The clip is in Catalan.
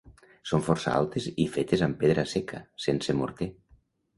Són força altes i fetes amb pedra seca, sense morter.